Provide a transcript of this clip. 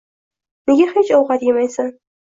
Nega hech ovqat yemaysan?